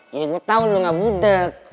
iya gue tau lu gak budak